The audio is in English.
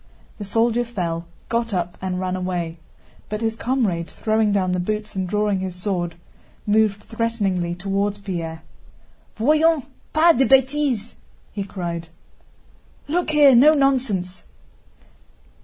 The soldier fell, got up, and ran away. But his comrade, throwing down the boots and drawing his sword, moved threateningly toward Pierre. "Voyons, pas de bêtises!" * he cried. * "Look here, no nonsense!"